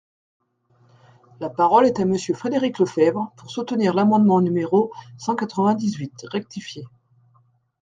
La parole est à Monsieur Frédéric Lefebvre, pour soutenir l’amendement numéro cent quatre-vingt-dix-huit rectifié.